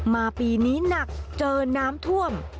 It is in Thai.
ปีนี้หนักเจอน้ำท่วม